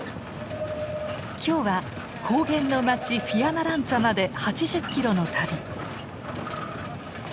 今日は高原の街フィアナランツァまで８０キロの旅。